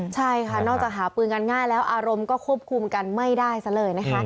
ใช่ค่ะนอกจากหาปืนกันง่ายแล้วอารมณ์ก็ควบคุมกันไม่ได้ซะเลยนะคะ